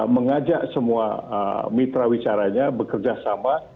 mengajak semua mitra wicaranya bekerja sama